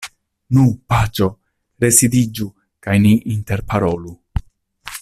Nu, paĉjo, residiĝu, kaj ni interparolu.